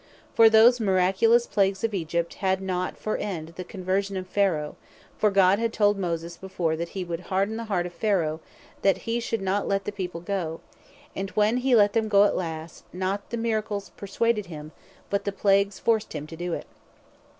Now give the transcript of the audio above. For those miraculous plagues of Egypt, had not for end, the conversion of Pharaoh; For God had told Moses before, that he would harden the heart of Pharaoh, that he should not let the people goe: And when he let them goe at last, not the Miracles perswaded him, but the plagues forced him to it.